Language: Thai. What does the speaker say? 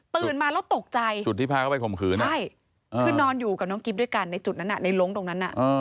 ตื่นมาแล้วตกใจใช่คือนอนอยู่กับน้องกิ๊บด้วยกันในหลงตรงนั้น